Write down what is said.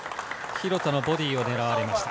廣田のボディーをねらわれました。